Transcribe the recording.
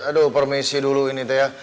aduh permisi dulu ini teh ya